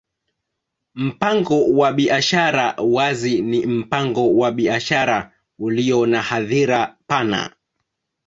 Mpango wa biashara wazi ni mpango wa biashara ulio na hadhira pana.